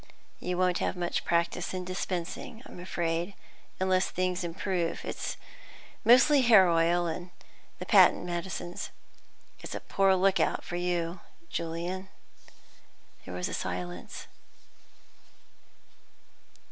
You won't have much practice in dispensing, I'm afraid, unless things improve. It is mostly hair oil, and the patent medicines. It's a poor look out for you, Julian." There was a silence.